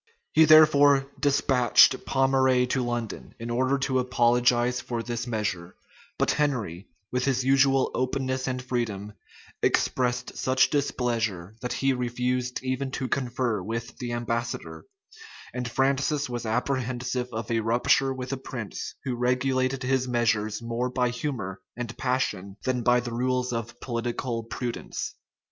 He therefore despatched Pommeraye to London, in order to apologize for this measure; but Henry, with his usual openness and freedom, expressed such displeasure, that he refused even to confer with the ambassador; and Francis was apprehensive of a rupture with a prince who regulated his measures more by humor and passion than by the rules of political prudence.